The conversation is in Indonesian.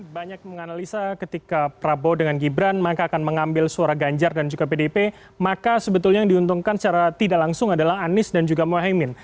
banyak menganalisa ketika prabowo dengan gibran maka akan mengambil suara ganjar dan juga pdp maka sebetulnya yang diuntungkan secara tidak langsung adalah anies dan juga mohaimin